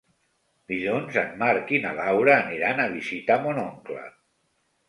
Dilluns en Marc i na Laura aniran a visitar mon oncle.